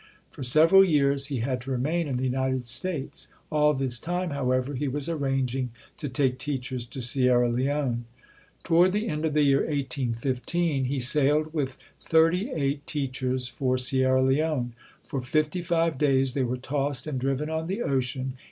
For several years he had to remain in the United States. All this time, however, he was arranging to take teachers to Sierra Leone. Toward the end of the year 1815, he sailed with thirty eight teachers for Sierra Leone. For fifty five days they were tossed and driven on the ocean.